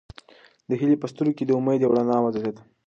د هیلې په سترګو کې د امید یوه رڼا وځلېده.